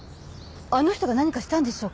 あの人が何かしたんでしょうか？